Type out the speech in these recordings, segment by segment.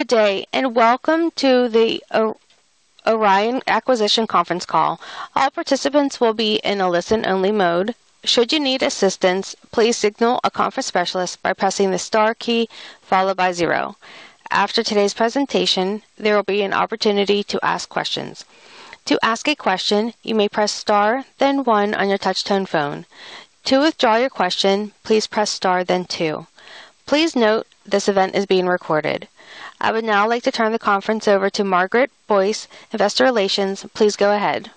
Good day, and welcome to the Orion Acquisition Conference Call. All participants will be in a listen-only mode. Should you need assistance, please signal a conference specialist by pressing the star key followed by zero. After today's presentation, there will be an opportunity to ask questions. To ask a question, you may press star, then one on your touchtone phone. To withdraw your question, please press star, then two. Please note, this event is being recorded. I would now like to turn the conference over to Margaret Boyce, Investor Relations. Please go ahead.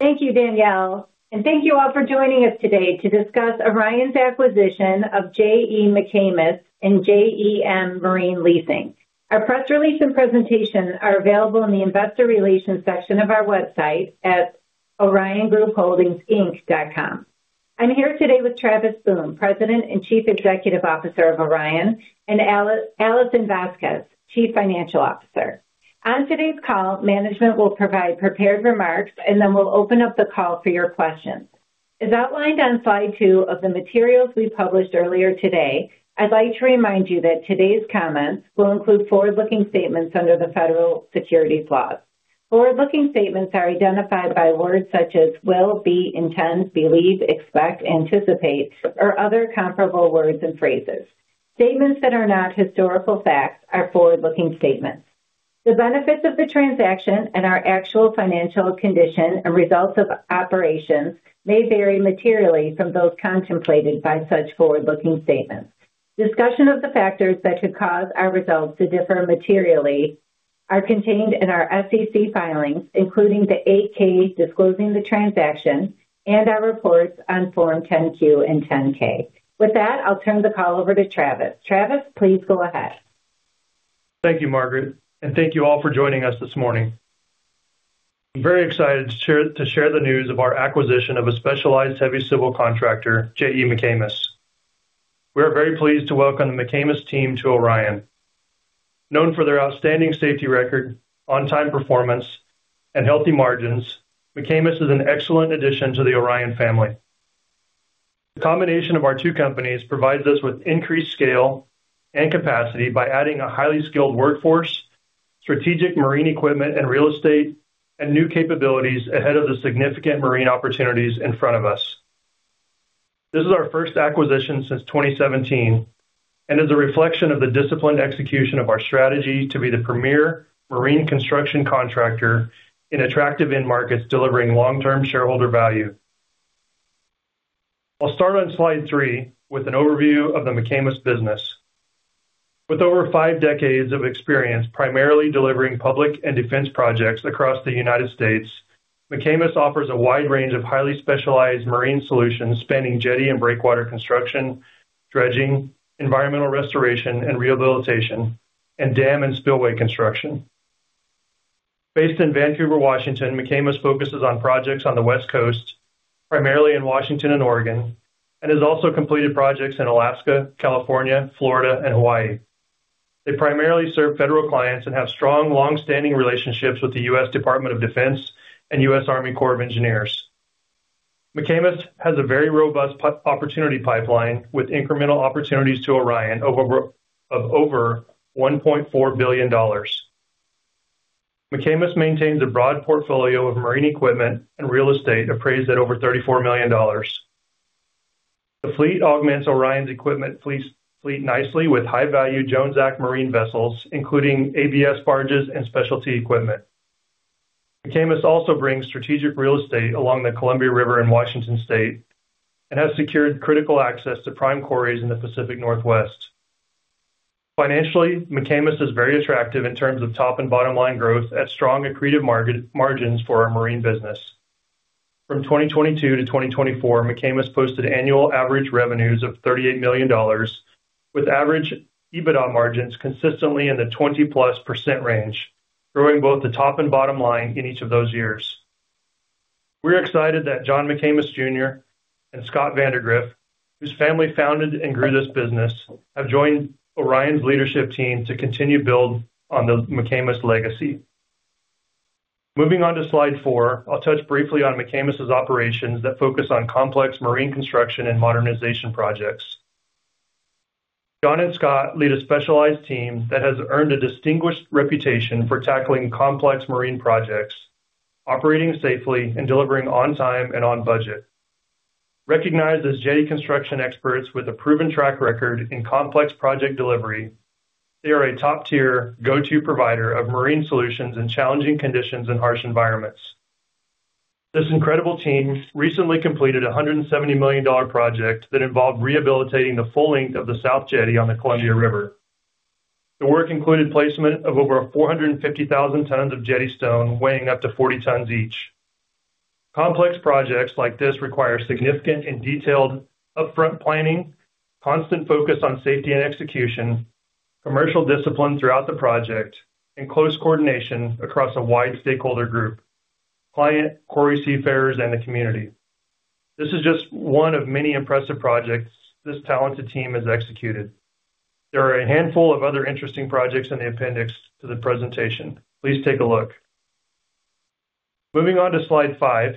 Thank you, Danielle, and thank you all for joining us today to discuss Orion's acquisition of J.E. McAmis and JEM Marine Leasing. Our press release and presentation are available in the Investor Relations section of our website at oriongroupholdingsinc.com. I'm here today with Travis Boone, President and Chief Executive Officer of Orion, and Allison Vasquez, Chief Financial Officer. On today's call, management will provide prepared remarks, and then we'll open up the call for your questions. As outlined on slide two of the materials we published earlier today, I'd like to remind you that today's comments will include forward-looking statements under the federal Securities laws. Forward-looking statements are identified by words such as will, be, intend, believe, expect, anticipate, or other comparable words and phrases. Statements that are not historical facts are forward-looking statements. The benefits of the transaction and our actual financial condition and results of operations may vary materially from those contemplated by such forward-looking statements. Discussion of the factors that could cause our results to differ materially are contained in our SEC filings, including the 8-K disclosing the transaction and our reports on Form 10-Q and 10-K. With that, I'll turn the call over to Travis. Travis, please go ahead. Thank you, Margaret, and thank you all for joining us this morning. I'm very excited to share the news of our acquisition of a specialized heavy civil contractor, J.E. McAmis. We are very pleased to welcome the McAmis team to Orion. Known for their outstanding safety record, on-time performance, and healthy margins, McAmis is an excellent addition to the Orion family. The combination of our two companies provides us with increased scale and capacity by adding a highly skilled workforce, strategic marine equipment and real estate, and new capabilities ahead of the significant marine opportunities in front of us. This is our first acquisition since 2017, and is a reflection of the disciplined execution of our strategy to be the premier marine construction contractor in attractive end markets, delivering long-term shareholder value. I'll start on slide 3 with an overview of the McAmis business. With over five decades of experience, primarily delivering public and defense projects across the United States, McAmis offers a wide range of highly specialized marine solutions, spanning jetty and breakwater construction, dredging, environmental restoration and rehabilitation, and dam and spillway construction. Based in Vancouver, Washington, McAmis focuses on projects on the West Coast, primarily in Washington and Oregon, and has also completed projects in Alaska, California, Florida, and Hawaii. They primarily serve federal clients and have strong, long-standing relationships with the U.S. Department of Defense and U.S. Army Corps of Engineers. McAmis has a very robust opportunity pipeline, with incremental opportunities to Orion of over $1.4 billion. McAmis maintains a broad portfolio of marine equipment and real estate appraised at over $34 million. The fleet augments Orion's equipment fleet nicely with high-value Jones Act marine vessels, including ABS barges and specialty equipment. McAmis also brings strategic real estate along the Columbia River in Washington state and has secured critical access to prime quarries in the Pacific Northwest. Financially, McAmis is very attractive in terms of top and bottom-line growth at strong accretive margins for our marine business. From 2022 to 2024, McAmis posted annual average revenues of $38 million, with average EBITDA margins consistently in the 20%+ range, growing both the top and bottom line in each of those years. We're excited that John McAmis Jr. and Scott Vandegrift, whose family founded and grew this business, have joined Orion's leadership team to continue to build on the McAmis legacy. Moving on to slide 4, I'll touch briefly on McAmis' operations that focus on complex marine construction and modernization projects. John and Scott lead a specialized team that has earned a distinguished reputation for tackling complex marine projects, operating safely and delivering on time and on budget. Recognized as jetty construction experts with a proven track record in complex project delivery, they are a top-tier go-to provider of marine solutions in challenging conditions and harsh environments. This incredible team recently completed a $170 million project that involved rehabilitating the full length of the South Jetty on the Columbia River. The work included placement of over 450,000 tons of jetty stone, weighing up to 40 tons each. Complex projects like this require significant and detailed upfront planning, constant focus on safety and execution, commercial discipline throughout the project, and close coordination across a wide stakeholder group, client, quarry, seafarers, and the community. This is just one of many impressive projects this talented team has executed. There are a handful of other interesting projects in the appendix to the presentation. Please take a look.... Moving on to slide five.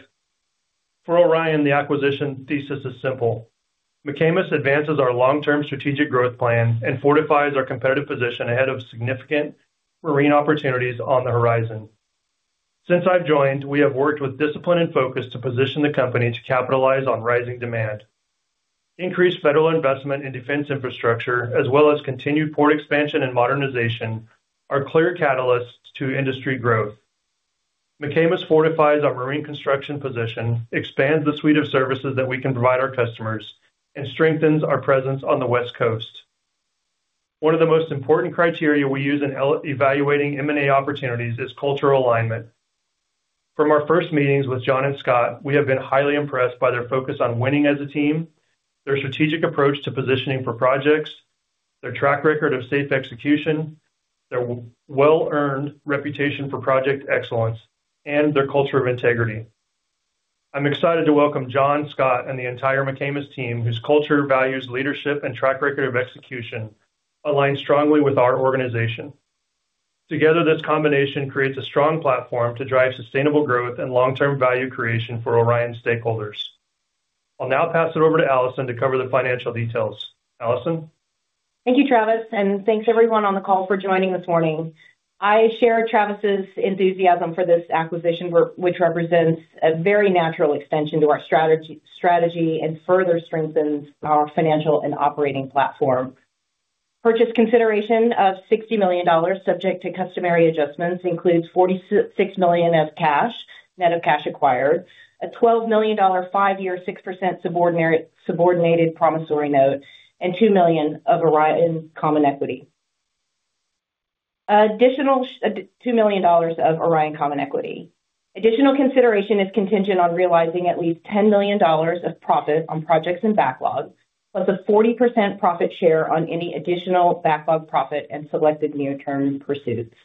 For Orion, the acquisition thesis is simple. McAmis advances our long-term strategic growth plan and fortifies our competitive position ahead of significant marine opportunities on the horizon. Since I've joined, we have worked with discipline and focus to position the company to capitalize on rising demand. Increased federal investment in defense infrastructure, as well as continued port expansion and modernization, are clear catalysts to industry growth. McAmis fortifies our marine construction position, expands the suite of services that we can provide our customers, and strengthens our presence on the West Coast. One of the most important criteria we use in evaluating M&A opportunities is cultural alignment. From our first meetings with John and Scott, we have been highly impressed by their focus on winning as a team, their strategic approach to positioning for projects, their track record of safe execution, their well-earned reputation for project excellence, and their culture of integrity. I'm excited to welcome John, Scott, and the entire McAmis team, whose culture, values, leadership, and track record of execution align strongly with our organization. Together, this combination creates a strong platform to drive sustainable growth and long-term value creation for Orion stakeholders. I'll now pass it over to Allison to cover the financial details. Allison? Thank you, Travis, and thanks everyone on the call for joining this morning. I share Travis's enthusiasm for this acquisition, which represents a very natural extension to our strategy, and further strengthens our financial and operating platform. Purchase consideration of $60 million, subject to customary adjustments, includes $46 million of cash, net of cash acquired, a $12 million 5-year, 6% subordinated promissory note, and $2 million of Orion common equity. Additional $2 million of Orion common equity. Additional consideration is contingent on realizing at least $10 million of profit on projects and backlog, plus a 40% profit share on any additional backlog profit and selected near-term pursuits.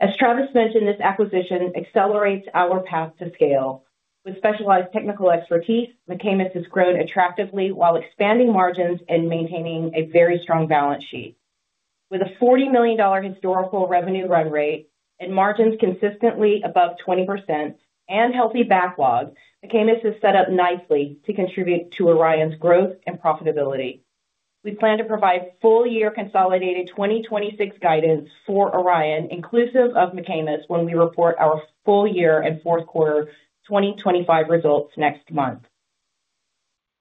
As Travis mentioned, this acquisition accelerates our path to scale. With specialized technical expertise, McAmis has grown attractively while expanding margins and maintaining a very strong balance sheet. With a $40 million historical revenue run rate and margins consistently above 20% and healthy backlog, McAmis is set up nicely to contribute to Orion's growth and profitability. We plan to provide full-year consolidated 2026 guidance for Orion, inclusive of McAmis, when we report our full year and fourth quarter 2025 results next month.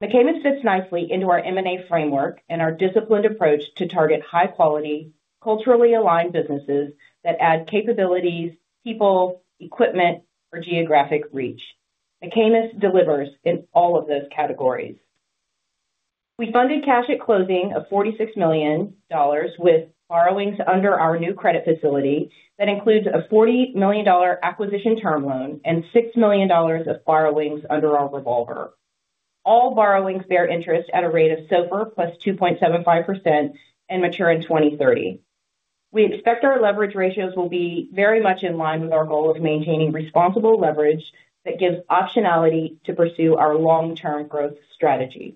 McAmis fits nicely into our M&A framework and our disciplined approach to target high quality, culturally aligned businesses that add capabilities, people, equipment, or geographic reach. McAmis delivers in all of those categories. We funded cash at closing of $46 million with borrowings under our new credit facility. That includes a $40 million acquisition term loan and $6 million of borrowings under our revolver. All borrowings bear interest at a rate of SOFR + 2.75% and mature in 2030. We expect our leverage ratios will be very much in line with our goal of maintaining responsible leverage that gives optionality to pursue our long-term growth strategy.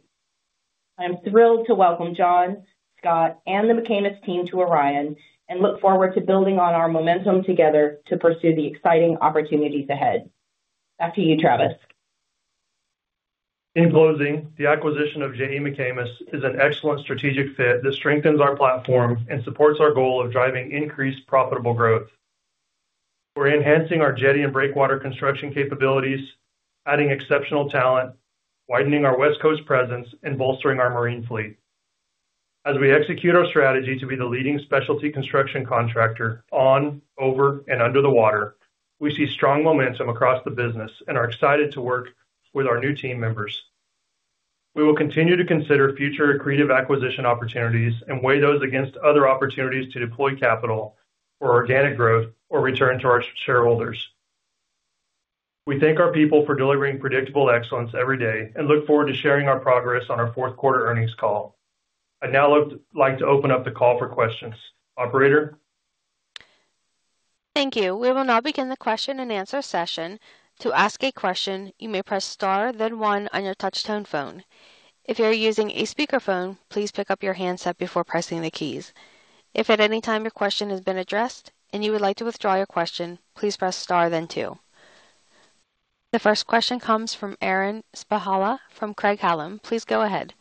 I'm thrilled to welcome John, Scott, and the McAmis team to Orion, and look forward to building on our momentum together to pursue the exciting opportunities ahead. Back to you, Travis. In closing, the acquisition of J.E. McAmis is an excellent strategic fit that strengthens our platform and supports our goal of driving increased profitable growth. We're enhancing our jetty and breakwater construction capabilities, adding exceptional talent, widening our West Coast presence, and bolstering our marine fleet. As we execute our strategy to be the leading specialty construction contractor on, over, and under the water, we see strong momentum across the business and are excited to work with our new team members. We will continue to consider future accretive acquisition opportunities and weigh those against other opportunities to deploy capital for organic growth or return to our shareholders. We thank our people for delivering predictable excellence every day and look forward to sharing our progress on our fourth quarter earnings call. I'd now like to open up the call for questions. Operator? Thank you. We will now begin the question-and-answer session. To ask a question, you may press star, then one on your touchtone phone. If you are using a speakerphone, please pick up your handset before pressing the keys. If at any time your question has been addressed and you would like to withdraw your question, please press star then two. The first question comes from Aaron Spychala from Craig-Hallum. Please go ahead.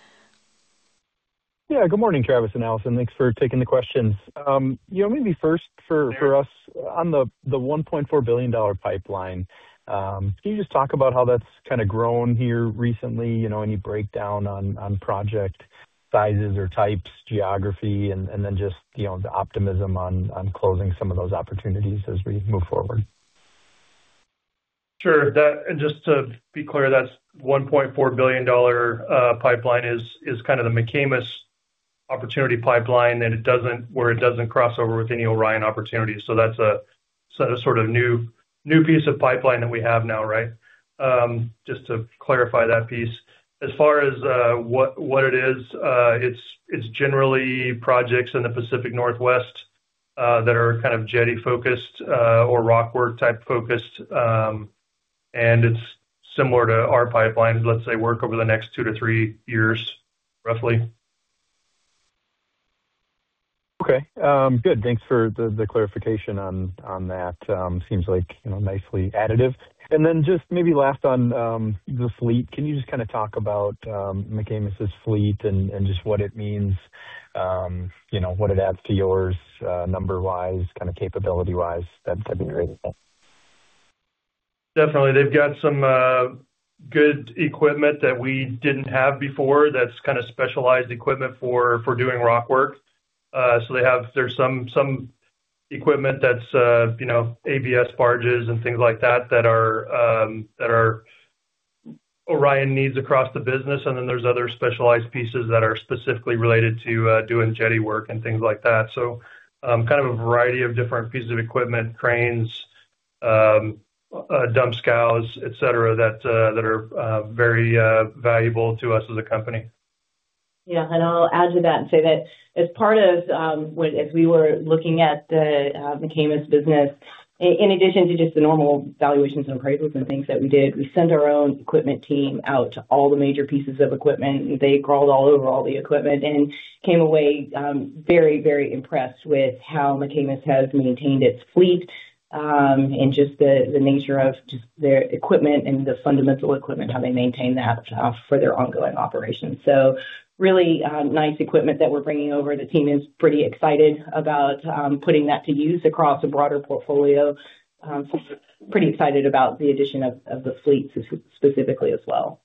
Yeah, good morning, Travis and Allison. Thanks for taking the questions. You know, maybe first for us, on the $1.4 billion pipeline, can you just talk about how that's kind of grown here recently? You know, any breakdown on project sizes or types, geography, and then just, you know, the optimism on closing some of those opportunities as we move forward? Sure. That—and just to be clear, that $1.4 billion pipeline is kind of the McAmis opportunity pipeline, and it doesn't—where it doesn't cross over with any Orion opportunities. So that's a sort of new piece of pipeline that we have now, right? Just to clarify that piece. As far as what it is, it's generally projects in the Pacific Northwest that are kind of jetty-focused or rockwork type focused. And it's similar to our pipeline, let's say, work over the next 2-3 years, roughly. ...Okay, good. Thanks for the clarification on that. Seems like, you know, nicely additive. And then just maybe last on the fleet. Can you just kind of talk about McAmis's fleet and just what it means, you know, what it adds to yours, number-wise, kind of capability-wise? That'd be great. Definitely. They've got some good equipment that we didn't have before. That's kind of specialized equipment for doing rock work. So they have some equipment that's you know ABS barges and things like that that Orion needs across the business. And then there's other specialized pieces that are specifically related to doing jetty work and things like that. So kind of a variety of different pieces of equipment, cranes, dump scows, et cetera, that are very valuable to us as a company. Yeah, and I'll add to that and say that as part of when, as we were looking at the McAmis business, in addition to just the normal valuations and appraisals and things that we did, we sent our own equipment team out to all the major pieces of equipment. They crawled all over all the equipment and came away very, very impressed with how McAmis has maintained its fleet, and just the nature of just their equipment and the fundamental equipment, how they maintain that for their ongoing operations. So really nice equipment that we're bringing over. The team is pretty excited about putting that to use across a broader portfolio. Pretty excited about the addition of the fleet specifically as well.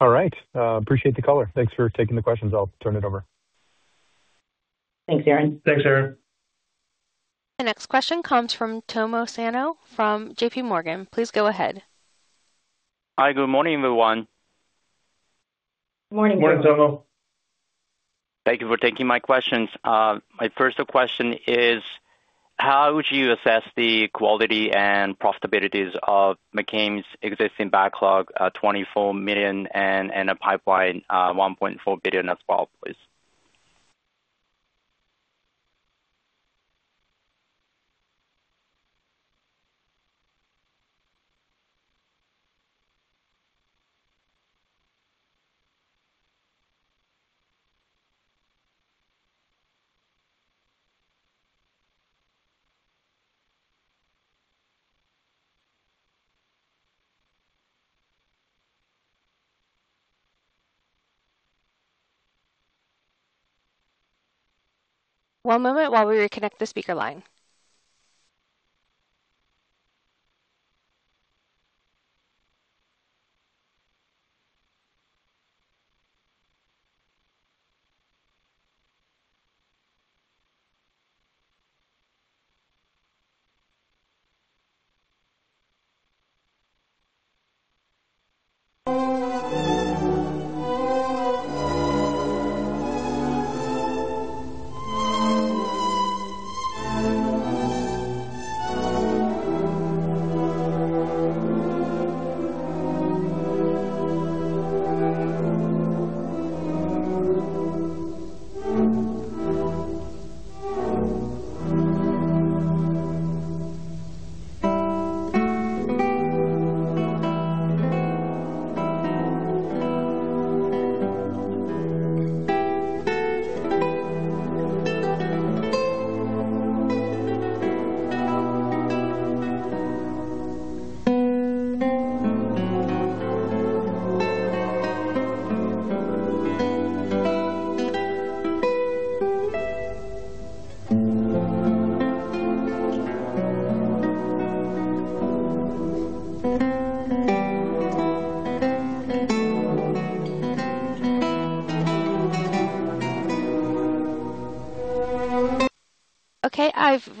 All right. Appreciate the color. Thanks for taking the questions. I'll turn it over. Thanks, Aaron. Thanks, Aaron. The next question comes from Tomo Sano from J.P. Morgan. Please go ahead. Hi. Good morning, everyone. Morning. Morning, Tomo. Thank you for taking my questions. My first question is, how would you assess the quality and profitabilities of McAmis' existing backlog, $24 million, and, and a pipeline, $1.4 billion as well, please? One moment while we reconnect the speaker line.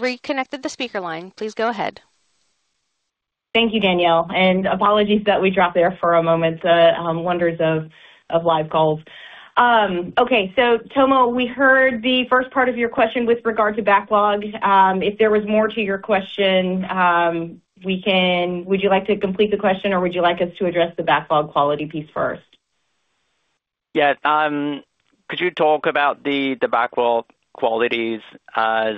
Okay, I've reconnected the speaker line. Please go ahead. Thank you, Danielle, and apologies that we dropped there for a moment. Wonders of live calls. Okay. So Tomo, we heard the first part of your question with regard to backlog. If there was more to your question, we can... Would you like to complete the question, or would you like us to address the backlog quality piece first? Yeah. Could you talk about the backlog qualities as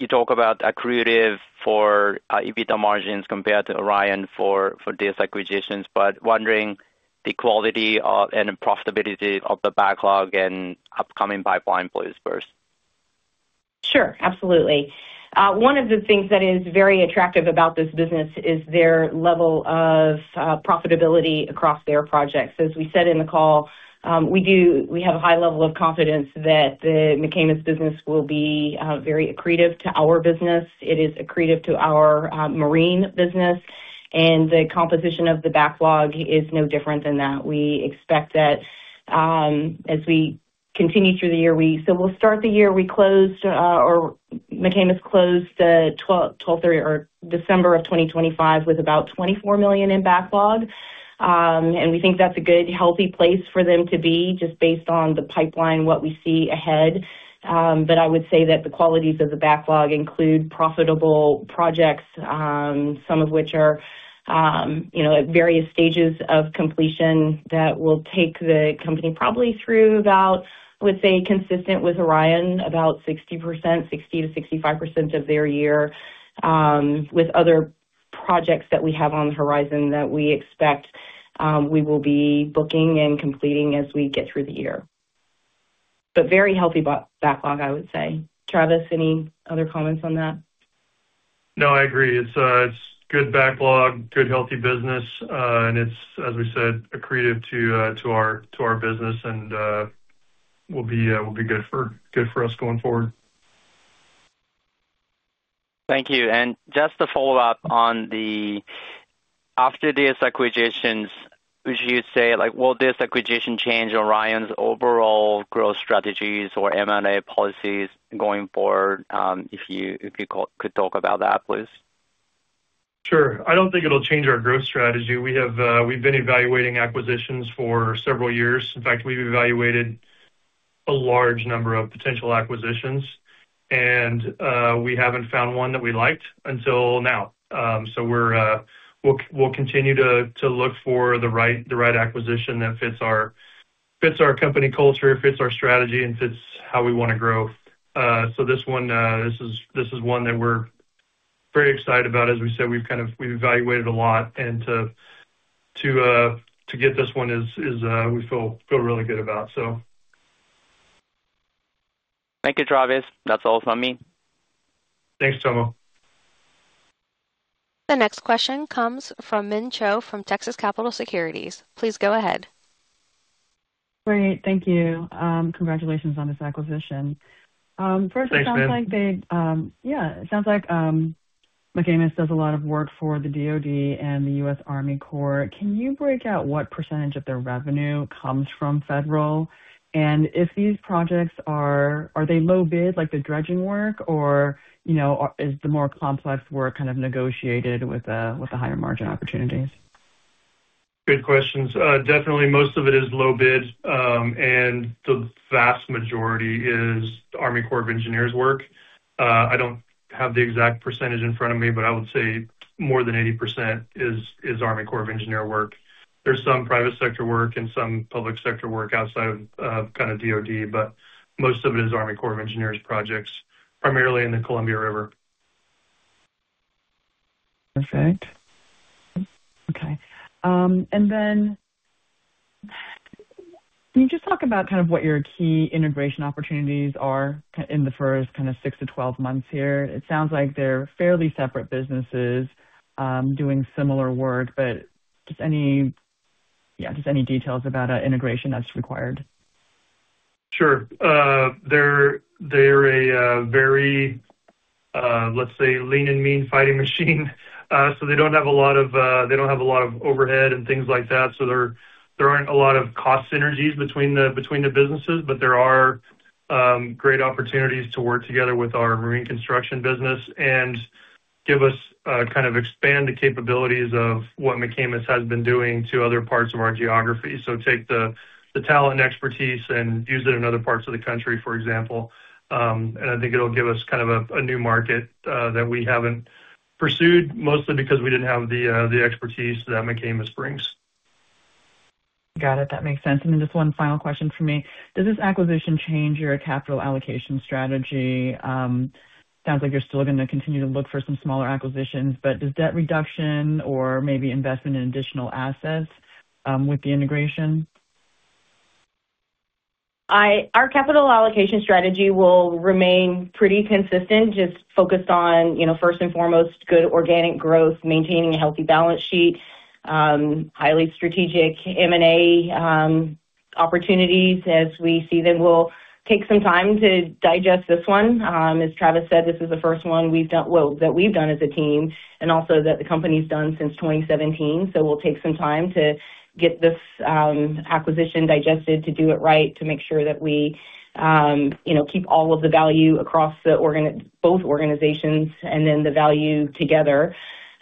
you talk about accretive for EBITDA margins compared to Orion for these acquisitions, but wondering the quality of and the profitability of the backlog and upcoming pipeline please first? Sure. Absolutely. One of the things that is very attractive about this business is their level of profitability across their projects. As we said in the call, we have a high level of confidence that the McAmis business will be very accretive to our business. It is accretive to our marine business, and the composition of the backlog is no different than that. We expect that, as we continue through the year, we'll start the year. We closed, or McAmis closed, twelfth of December of 2025, with about $24 million in backlog. And we think that's a good, healthy place for them to be, just based on the pipeline, what we see ahead. But I would say that the qualities of the backlog include profitable projects, some of which are, you know, at various stages of completion, that will take the company probably through about, I would say, consistent with Orion, about 60%, 60%-65% of their year, with other projects that we have on the horizon that we expect, we will be booking and completing as we get through the year. But very healthy backlog, I would say. Travis, any other comments on that? No, I agree. It's a good backlog, good, healthy business, and it's, as we said, accretive to our business and will be good for us going forward. Thank you. And just to follow up on the after these acquisitions, would you say, like, will this acquisition change Orion's overall growth strategies or M&A policies going forward? If you could talk about that, please. Sure. I don't think it'll change our growth strategy. We have, we've been evaluating acquisitions for several years. In fact, we've evaluated a large number of potential acquisitions, and we haven't found one that we liked until now. So we're, we'll continue to look for the right acquisition that fits our company culture, fits our strategy, and fits how we wanna grow. So this one, this is one that we're very excited about. As we said, we've kind of evaluated a lot, and to get this one is, we feel really good about so. Thank you, Travis. That's all from me. Thanks, Tomo. The next question comes from Min Cho, from Texas Capital Securities. Please go ahead. Great, thank you. Congratulations on this acquisition. First- Thanks, Min. It sounds like they, yeah, it sounds like McAmis does a lot of work for the DoD and the U.S. Army Corps. Can you break out what percentage of their revenue comes from federal? And if these projects are they low bid, like the dredging work, or, you know, is the more complex work kind of negotiated with a higher margin opportunities? Good questions. Definitely, most of it is low bid, and the vast majority is Army Corps of Engineers work. I don't have the exact percentage in front of me, but I would say more than 80% is Army Corps of Engineers work. There's some private sector work and some public sector work outside of kind of DoD, but most of it is Army Corps of Engineers projects, primarily in the Columbia River. Perfect. Okay. And then, can you just talk about kind of what your key integration opportunities are in the first kind of 6-12 months here? It sounds like they're fairly separate businesses, doing similar work, but just any. Yeah, just any details about integration that's required. Sure. They're a very lean and mean fighting machine. So they don't have a lot of overhead and things like that, so there aren't a lot of cost synergies between the businesses, but there are great opportunities to work together with our marine construction business and give us kind of expand the capabilities of what McAmis has been doing to other parts of our geography. So take the talent and expertise and use it in other parts of the country, for example. And I think it'll give us kind of a new market that we haven't pursued, mostly because we didn't have the expertise that McAmis brings. Got it. That makes sense. And then just one final question from me. Does this acquisition change your capital allocation strategy? Sounds like you're still going to continue to look for some smaller acquisitions, but does debt reduction or maybe investment in additional assets, with the integration? Our capital allocation strategy will remain pretty consistent, just focused on, you know, first and foremost, good organic growth, maintaining a healthy balance sheet, highly strategic M&A opportunities as we see them. We'll take some time to digest this one. As Travis said, this is the first one we've done, well, that we've done as a team, and also that the company's done since 2017. So we'll take some time to get this acquisition digested, to do it right, to make sure that we, you know, keep all of the value across both organizations and then the value together.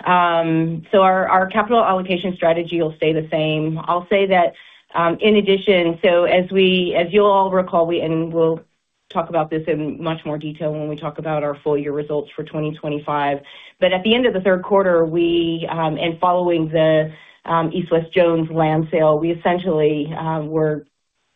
So our capital allocation strategy will stay the same. I'll say that, in addition, so as you'll all recall, we, and we'll talk about this in much more detail when we talk about our full year results for 2025, but at the end of the third quarter, we, and following the East West Jones land sale, we essentially were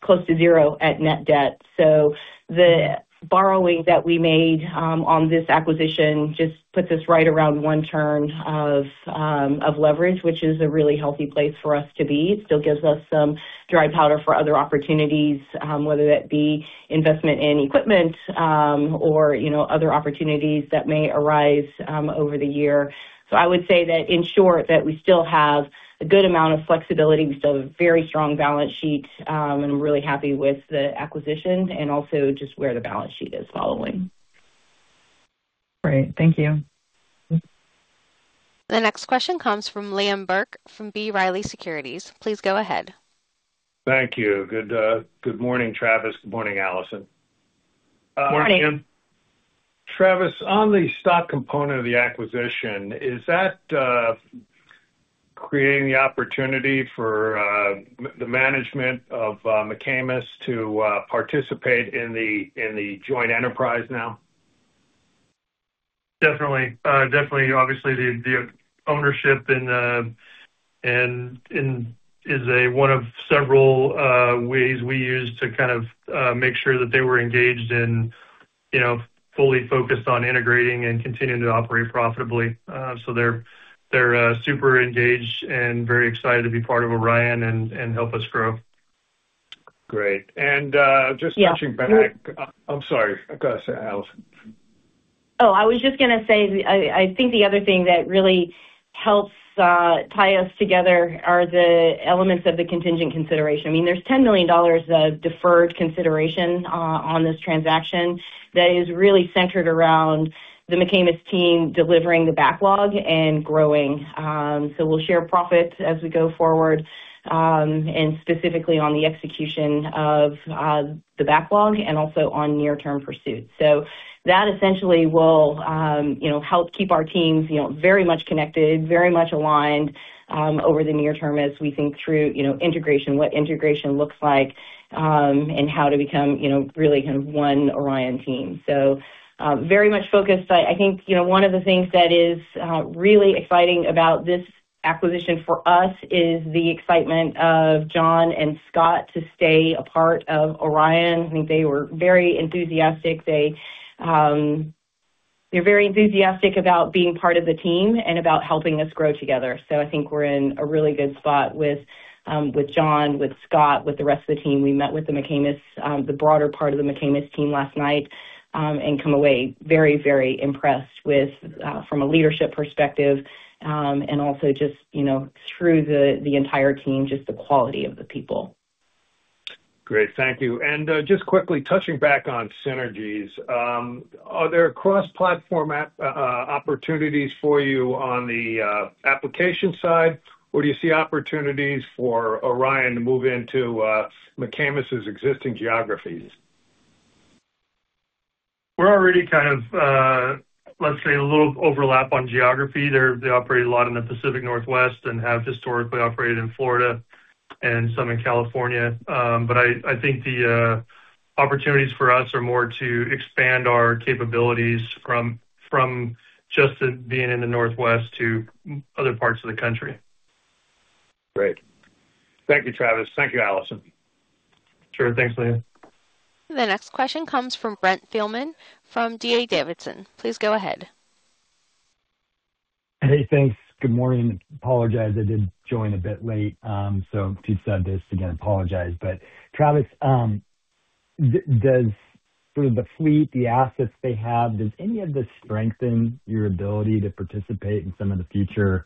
close to zero at net debt. So the borrowing that we made on this acquisition just puts us right around one turn of leverage, which is a really healthy place for us to be. It still gives us some dry powder for other opportunities, whether that be investment in equipment or, you know, other opportunities that may arise over the year. So I would say that in short, that we still have a good amount of flexibility. We still have a very strong balance sheet, and we're really happy with the acquisition and also just where the balance sheet is following. Great. Thank you. The next question comes from Liam Burke, from B. Riley Securities. Please go ahead. Thank you. Good morning, Travis. Good morning, Allison. Good morning. Good morning, Liam. Travis, on the stock component of the acquisition, is that creating the opportunity for the management of McAmis to participate in the joint enterprise now? Definitely. Definitely, obviously, the ownership and is one of several ways we use to kind of make sure that they were engaged, you know, fully focused on integrating and continuing to operate profitably. So they're super engaged and very excited to be part of Orion and help us grow. Great. And, just- Yeah. Touching back. I'm sorry. Go ahead, Allison. Oh, I was just gonna say, I think the other thing that really helps tie us together are the elements of the contingent consideration. I mean, there's $10 million of deferred consideration on this transaction that is really centered around the McAmis team delivering the backlog and growing. So we'll share profits as we go forward, and specifically on the execution of the backlog and also on near-term pursuits. So that essentially will, you know, help keep our teams, you know, very much connected, very much aligned over the near term as we think through, you know, integration, what integration looks like, and how to become, you know, really kind of one Orion team. So, very much focused. I think, you know, one of the things that is really exciting about this acquisition for us is the excitement of John and Scott to stay a part of Orion. I think they were very enthusiastic. They're very enthusiastic about being part of the team and about helping us grow together. So I think we're in a really good spot with, with John, with Scott, with the rest of the team. We met with the McAmis, the broader part of the McAmis team last night, and come away very, very impressed with, from a leadership perspective, and also just, you know, through the entire team, just the quality of the people. Great. Thank you. And, just quickly touching back on synergies, are there cross-platform at opportunities for you on the application side, or do you see opportunities for Orion to move into McAmis' existing geographies? We're already kind of, let's say, a little overlap on geography. They operate a lot in the Pacific Northwest and have historically operated in Florida and some in California. But I think the opportunities for us are more to expand our capabilities from just being in the Northwest to other parts of the country. Great. Thank you, Travis. Thank you, Alison. Sure. Thanks, Liam. The next question comes from Brent Thielman from D.A. Davidson. Please go ahead. Hey, thanks. Good morning. Apologize, I did join a bit late, so if you've said this again, apologize. But Travis, does sort of the fleet, the assets they have, does any of this strengthen your ability to participate in some of the future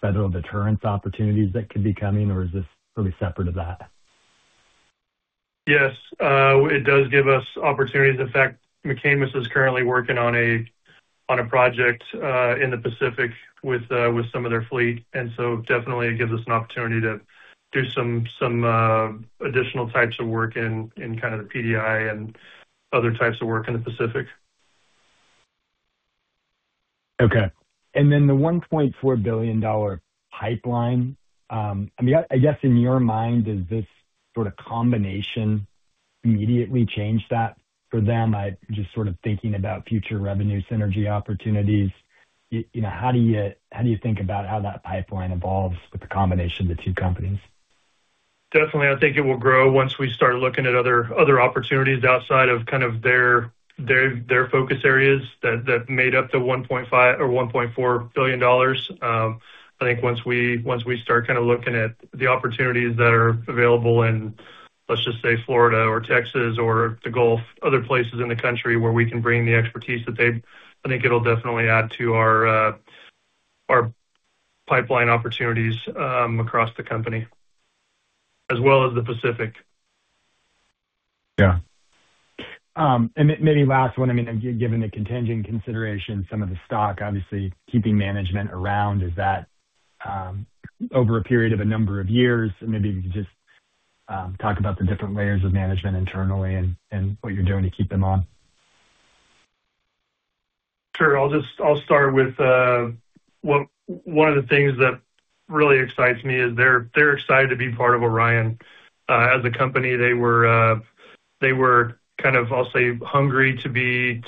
federal deterrence opportunities that could be coming, or is this really separate of that? Yes, it does give us opportunities. In fact, McAmis is currently working on a project in the Pacific with some of their fleet, and so definitely it gives us an opportunity to do some additional types of work in kind of the PDI and other types of work in the Pacific. Okay. And then the $1.4 billion pipeline, I mean, I guess in your mind, does this sort of combination immediately change that for them? Just sort of thinking about future revenue synergy opportunities, you know, how do you, how do you think about how that pipeline evolves with the combination of the two companies? Definitely, I think it will grow once we start looking at other opportunities outside of kind of their focus areas that made up the $1.5 billion or $1.4 billion. I think once we start kind of looking at the opportunities that are available in, let's just say, Florida or Texas or the Gulf, other places in the country where we can bring the expertise that they've, I think it'll definitely add to our pipeline opportunities across the company, as well as the Pacific. Yeah. And maybe last one, I mean, given the contingent consideration, some of the stock, obviously, keeping management around, is that over a period of a number of years? And maybe you can just talk about the different layers of management internally and what you're doing to keep them on. Sure. I'll start with one of the things that really excites me is they're excited to be part of Orion. As a company, they were kind of, I'll say, hungry to be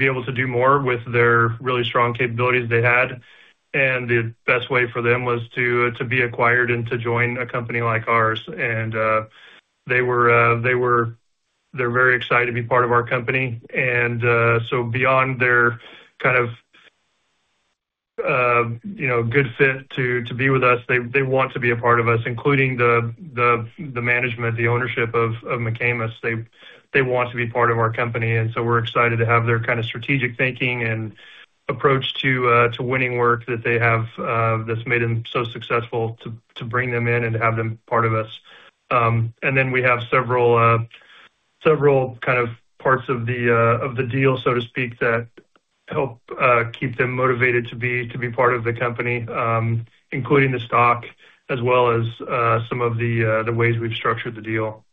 able to do more with their really strong capabilities they had, and the best way for them was to be acquired and to join a company like ours. And they were- They're very excited to be part of our company. And so beyond their kind of, you know, good fit to be with us, they want to be a part of us, including the management, the ownership of McAmis. They want to be part of our company, and so we're excited to have their kind of strategic thinking and approach to winning work that they have, that's made them so successful to bring them in and have them part of us. And then we have several kind of parts of the deal, so to speak, that help keep them motivated to be part of the company, including the stock, as well as some of the ways we've structured the deal.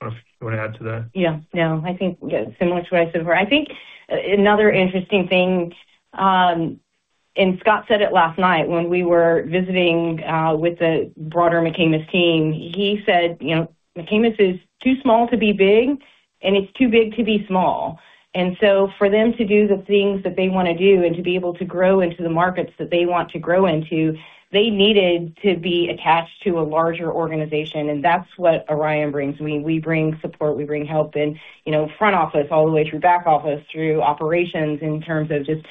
I don't know if you want to add to that. Yeah, no, I think similar to what I said where I think another interesting thing. And Scott said it last night when we were visiting with the broader McAmis team. He said, "You know, McAmis is too small to be big, and it's too big to be small." And so for them to do the things that they want to do and to be able to grow into the markets that they want to grow into, they needed to be attached to a larger organization, and that's what Orion brings. We, we bring support, we bring help in, you know, front office, all the way through back office, through operations, in terms of just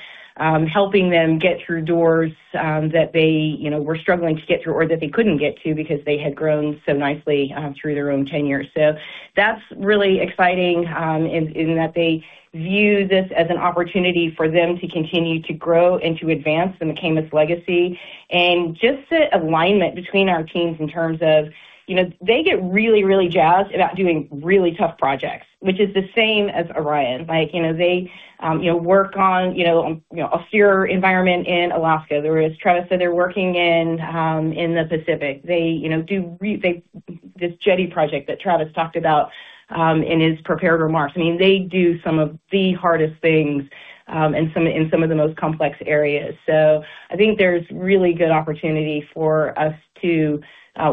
helping them get through doors that they, you know, were struggling to get through or that they couldn't get to because they had grown so nicely through their own tenure. So that's really exciting, in that they view this as an opportunity for them to continue to grow and to advance the McAmis legacy. And just the alignment between our teams in terms of, you know, they get really, really jazzed about doing really tough projects, which is the same as Orion. Like, you know, they, you know, work on, you know, a severe environment in Alaska, or as Travis said, they're working in the Pacific. They, you know, do this jetty project that Travis talked about, in his prepared remarks. I mean, they do some of the hardest things, in some of the most complex areas. So I think there's really good opportunity for us to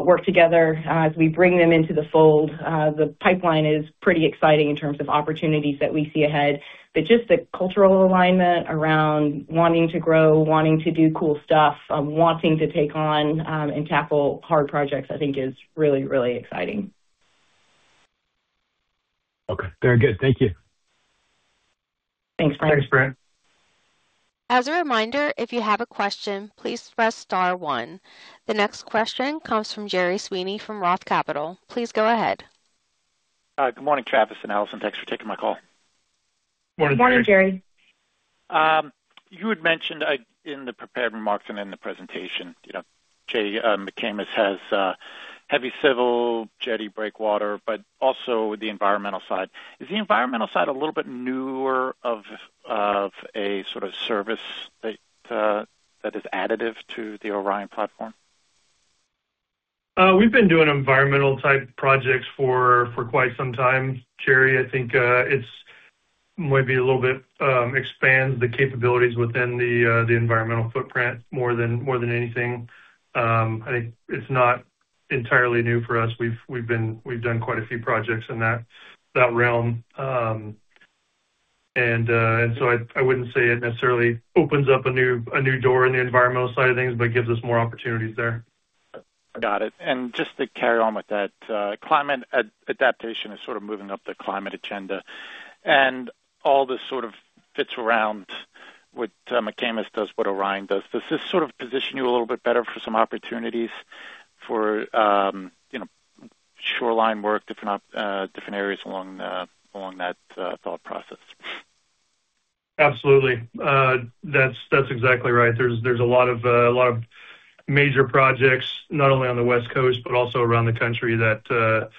work together, as we bring them into the fold. The pipeline is pretty exciting in terms of opportunities that we see ahead, but just the cultural alignment around wanting to grow, wanting to do cool stuff, wanting to take on, and tackle hard projects, I think is really, really exciting. Okay, very good. Thank you. Thanks, Brent. Thanks, Brent. As a reminder, if you have a question, please press star one. The next question comes from Gerry Sweeney from Roth Capital. Please go ahead. Hi. Good morning, Travis and Allison. Thanks for taking my call. Morning, Gerry. Good morning, Gerry. You had mentioned in the prepared remarks and in the presentation, you know, J.E. McAmis has heavy civil jetty breakwater, but also the environmental side. Is the environmental side a little bit newer of a sort of service that is additive to the Orion platform? We've been doing environmental-type projects for quite some time, Jerry. I think it's maybe a little bit expands the capabilities within the environmental footprint more than anything. I think it's not entirely new for us. We've done quite a few projects in that realm. And so I wouldn't say it necessarily opens up a new door in the environmental side of things, but it gives us more opportunities there. Got it. And just to carry on with that, climate adaptation is sort of moving up the climate agenda, and all this sort of fits around what, McAmis does, what Orion does. Does this sort of position you a little bit better for some opportunities for, you know, shoreline work, different, different areas along the, along that, thought process? Absolutely. That's, that's exactly right. There's, there's a lot of, a lot of major projects, not only on the West Coast, but also around the country, that,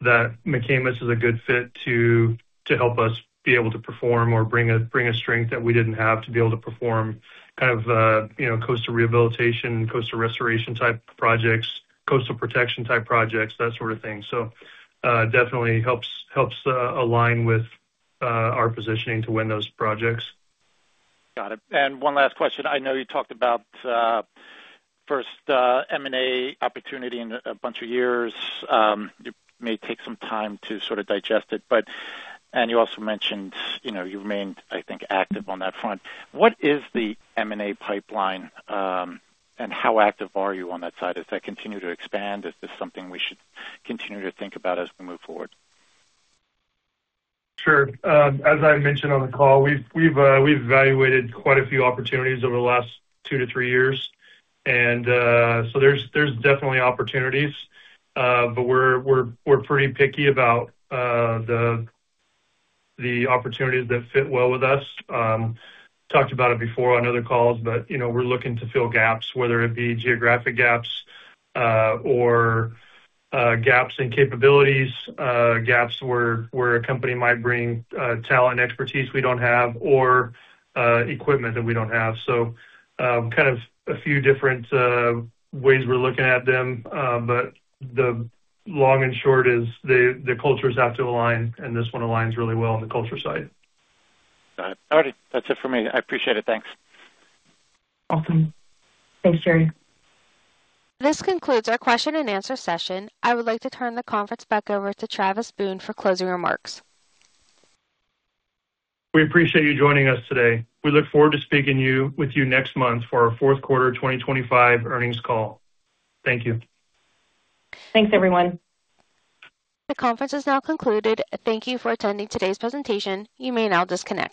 that McAmis is a good fit to, to help us be able to perform or bring a, bring a strength that we didn't have to be able to perform kind of, you know, coastal rehabilitation, coastal restoration-type projects, coastal protection-type projects, that sort of thing. So, definitely helps, helps, align with, our positioning to win those projects. Got it. And one last question. I know you talked about first M&A opportunity in a bunch of years. It may take some time to sort of digest it, but and you also mentioned, you know, you've remained, I think, active on that front. What is the M&A pipeline, and how active are you on that side? Does that continue to expand? Is this something we should continue to think about as we move forward? Sure. As I mentioned on the call, we've evaluated quite a few opportunities over the last 2-3 years, and so there's definitely opportunities, but we're pretty picky about the opportunities that fit well with us. Talked about it before on other calls, but, you know, we're looking to fill gaps, whether it be geographic gaps, or gaps in capabilities, gaps where a company might bring talent and expertise we don't have, or equipment that we don't have. So, kind of a few different ways we're looking at them, but the long and short is the cultures have to align, and this one aligns really well on the culture side. Got it. All right. That's it for me. I appreciate it. Thanks. Awesome. Thanks, Gerry. This concludes our question and answer session. I would like to turn the conference back over to Travis Boone for closing remarks. We appreciate you joining us today. We look forward to speaking to you, with you next month for our fourth quarter 2025 earnings call. Thank you. Thanks, everyone. The conference is now concluded. Thank you for attending today's presentation. You may now disconnect.